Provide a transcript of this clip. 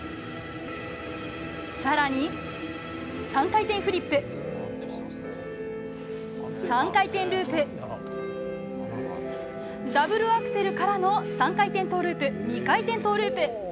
更に、３回転フリップ３回転ループダブルアクセルからの３回転トウループ２回転トウループ。